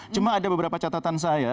cuma ada beberapa catatan saya